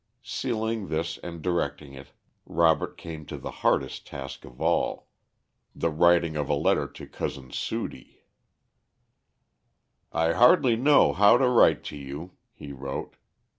Sealing this and directing it, Robert came to the hardest task of all the writing of a letter to Cousin Sudie. "I hardly know how to write to you," he wrote.